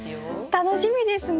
楽しみですね！